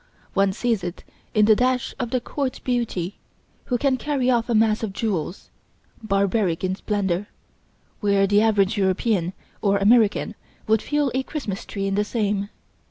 One sees it in the dash of the court beauty who can carry off a mass of jewels, barbaric in splendour, where the average European or American would feel a Christmas tree in the same.